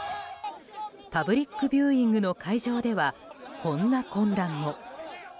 パブリックビューイングの会場では、こんな混乱も。